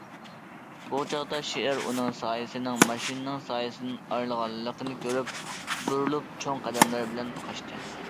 بۇ چاغدا شىر ئۇنىڭ سايىسىنىڭ ماشىنىنىڭ سايىسىدىن ئايرىلغانلىقىنى كۆرۈپ، بۇرۇلۇپ چوڭ قەدەملەر بىلەن قاچتى.